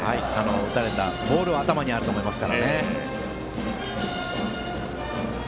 打たれたボールは頭にあると思います。